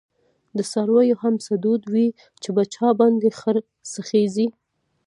د څارویو هم څه دود وی، چی په چا باندي خر څیږی